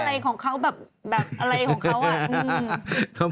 อะไรของเขาแบบอะไรของเขาอะ